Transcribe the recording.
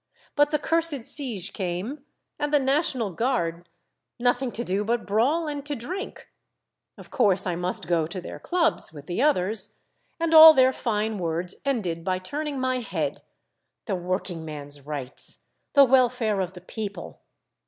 But the cursed siege came, and the national guard, — nothing to do but to brawl and to drink. Of course I must go to their clubs with the others, and all their fine words ended by turning my head, —" The working man's rights ! The welfare of the People